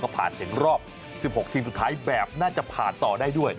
ผ่านถึงรอบ๑๖ทีมสุดท้ายแบบน่าจะผ่านต่อได้ด้วย